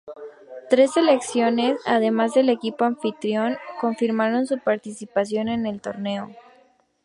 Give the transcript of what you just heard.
Tres selecciones, además del equipo anfitrión, confirmaron su participación en el torneo.